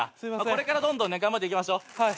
これからどんどん頑張っていきましょう。